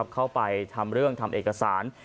เข้าไปทำเรื่องทำเอกสาร